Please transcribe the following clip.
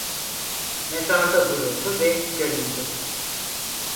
Mezarda vuruldu ve gömüldü.